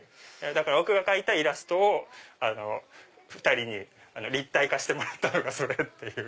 僕が描いたイラストを２人に立体化してもらったのがそれっていう。